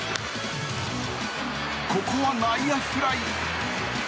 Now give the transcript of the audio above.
ここは内野フライ。